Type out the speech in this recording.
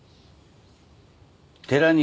寺西